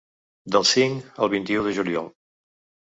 Del cinc al vint-i-u de juliol.